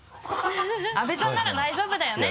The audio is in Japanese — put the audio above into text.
阿部ちゃんなら大丈夫だよね？